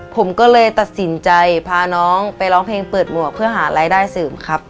ผมก็เลยตัดสินใจพาน้องไปร้องเพลงเปิดหมวกเพื่อหารายได้เสริมครับ